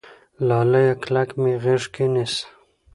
لاليه کلک مې غېږ کې نيسه